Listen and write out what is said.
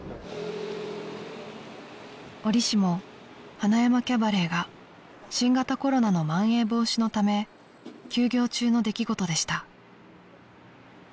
［折しも塙山キャバレーが新型コロナのまん延防止のため休業中の出来事でした］